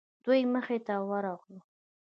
دوی مخې ته ورغلو.